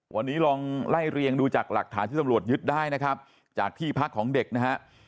วันนี้ลองไล่เรียงดูจากหลักฐานที่ตำรวจยึดได้นะครับจากที่พักของเด็กนะฮะ